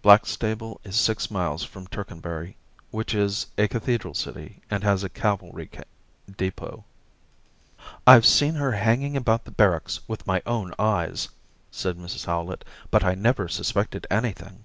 Blackstable is six miles from Tercanbury, which is a cathedral city and has a cavalry d6p6t. * I've seen her hanging about the barracks with my own eyes,* said Mrs Howlett, ' but I never suspected anything.'